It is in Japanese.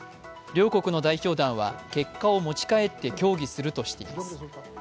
両国の代表団は結果を持ち帰って協議するとしています。